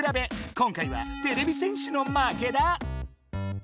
今回はてれび戦士のまけだ。